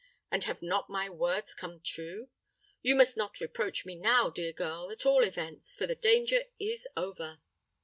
And have not my words come true? You must not reproach me now, dear girl, at all events—for the danger is over."